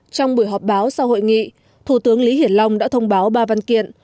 trong buổi họp báo sau hội nghị thủ tướng lý hiển long đã thông báo ba văn kiện